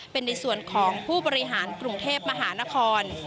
เป็นในส่วนของผู้บริหารกรุงเทพมหานคร